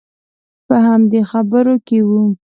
په همدې خبرو کې وو.